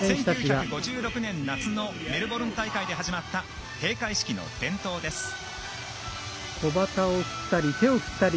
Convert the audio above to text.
１９５６年夏のメルボルン大会で始まった閉会式の伝統です。